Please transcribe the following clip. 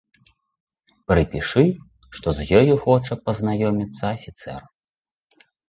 Прыпішы, што з ёю хоча пазнаёміцца афіцэр.